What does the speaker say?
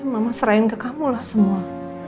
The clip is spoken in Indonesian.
mama serahin ke kamu lah semua